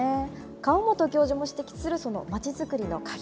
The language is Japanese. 川本教授も指摘するまちづくりの鍵